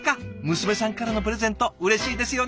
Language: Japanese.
娘さんからのプレゼントうれしいですよね。